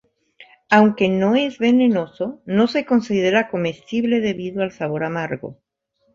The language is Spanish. Aunque no es venenoso, no se considera comestible debido al sabor amargo.